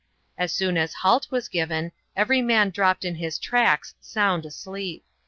As soon as 'halt' was given every man dropped in his tracks sound asleep."